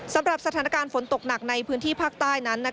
สำหรับสถานการณ์ฝนตกหนักในพื้นที่ภาคใต้นั้น